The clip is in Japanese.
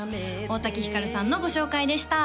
大滝ひかるさんのご紹介でした